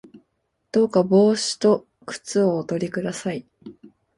どうか帽子と外套と靴をおとり下さい